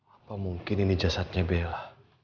apa mungkin ini jasadnya bella